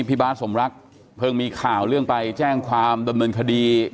พี่บาทสมรักเพิ่งมีข่าวเรื่องไปแจ้งความดำเนินคดี